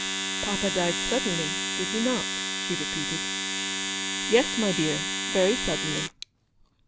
"Papa died suddenly, did he not?" she repeated. " Yes, my dear, very suddenly."